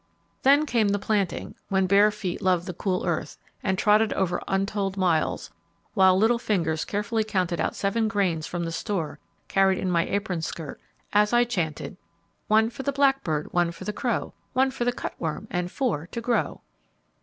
Then came the planting, when bare feet loved the cool earth, and trotted over other untold miles, while little fingers carefully counted out seven grains from the store carried in my apron skirt, as I chanted: "One for the blackbird, one for the crow; One for the cutworm and four to grow."